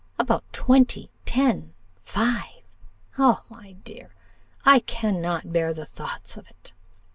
about twenty, ten, five! O, my dear, I cannot bear the thoughts of it!